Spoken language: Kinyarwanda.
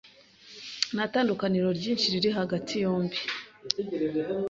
Nta tandukaniro ryinshi riri hagati yombi.